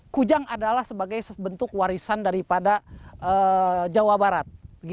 kujang adalah sebagai bentuk warisan daripada jawa barat